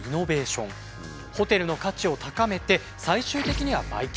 ホテルの価値を高めて最終的には売却。